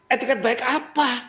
etiket baik apa